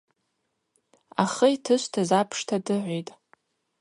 Ахы йтышвтыз апшта дыгӏвитӏ.